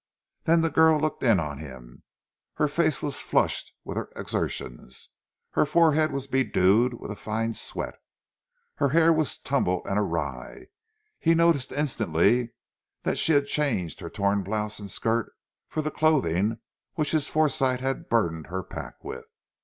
Then the girl looked in on him. Her face was flushed with her exertions, her forehead was bedewed with a fine sweat, her hair was tumbled and awry, and he noticed instantly that she had changed her torn blouse and skirt for the clothing which his foresight had burdened her pack with.